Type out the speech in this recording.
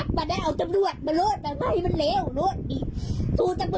ครับ